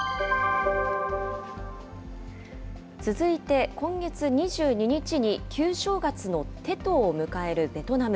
続いて、今月２２日に旧正月のテトを迎えるベトナム。